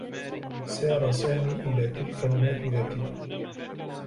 سار سامي إلى تلك النّافذة.